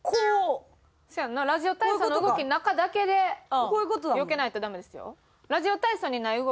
ラジオ体操の動きの中だけでよけないとダメですよ。